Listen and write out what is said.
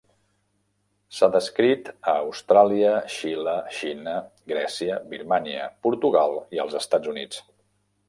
S’ha descrit a Austràlia, Xile, Xina, Grècia, Birmània, Portugal i als Estats Units.